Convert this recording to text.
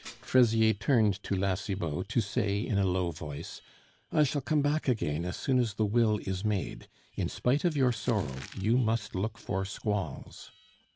Fraisier turned to La Cibot to say in a low voice, "I shall come back again as soon as the will is made. In spite of your sorrow, you must look for squalls."